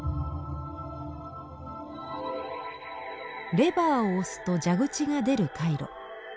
レバーを押すと蛇口が出る回路。